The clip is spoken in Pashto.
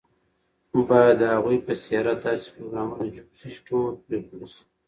باید د هغوی په سیرت داسې پروګرامونه جوړ شي چې ټول پرې پوه شي.